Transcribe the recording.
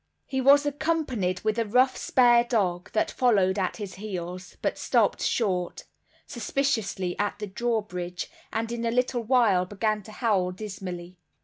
His companion was a rough spare dog, that followed at his heels, but stopped short, suspiciously at the drawbridge, and in a little while began to howl dismally.